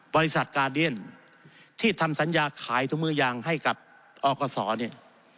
บริษัทกาเดียนที่ทำสัญญาขายถุงมือยางให้กับอกศเนี่ย